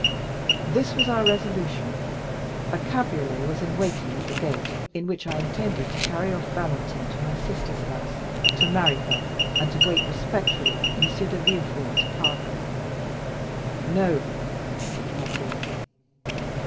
"This was our resolution; a cabriolet was in waiting at the gate, in which I intended to carry off Valentine to my sister's house, to marry her, and to wait respectfully M. de Villefort's pardon." "No," said Noirtier.